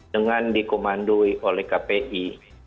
dengan dikomandoi oleh kpi